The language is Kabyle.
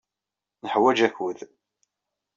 Neḥwaj akud.